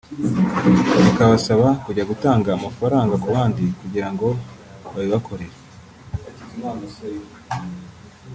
bikabasaba kujya gutanga amafaranga ku bandi kugira ngo babibakorere”